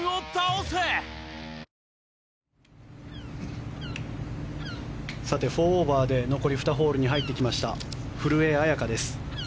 ４オーバーで残り２ホールに入ってきた古江彩佳です。